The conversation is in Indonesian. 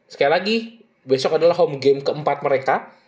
sekali lagi besok adalah home game keempat mereka